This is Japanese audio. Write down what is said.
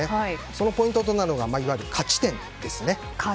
そのポイントとなるのがいわゆる勝ち点ですね。